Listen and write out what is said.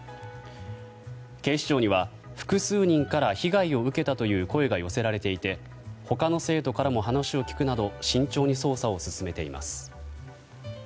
警視庁には複数人から被害を受けたという声が寄せられていて他の生徒からも話を聞くなど慎重に捜査を進めています。